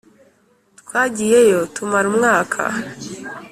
Twagiyeyo tumara umwaka